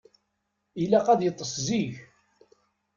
Ilaq ad yeṭṭes zik.